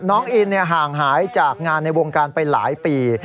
น้องอินห่างหายจากงานในวงการไปหลายปี